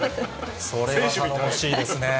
それは頼もしいですね。